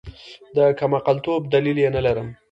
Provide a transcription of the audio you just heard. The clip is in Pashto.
د کمعقلتوب دلیل یې نلرم.